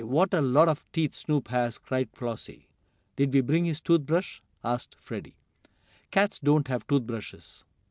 What a lot of teeth Snoop has!" cried Flossie. "Did we bring his tooth brush?" asked Freddie. "Cats don't have tooth brushes!"